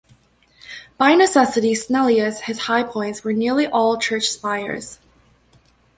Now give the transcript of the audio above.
By necessity Snellius his high points were nearly all church spires.